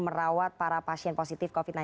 merawat para pasien positif covid sembilan belas